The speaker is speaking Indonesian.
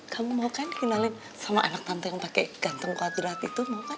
kamu mau kan ngenalin sama anak tante yang pakai ganteng kwadrat itu mau kan